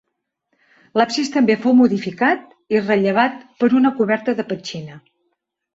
L’absis també fou modificat i rellevat per una coberta de petxina.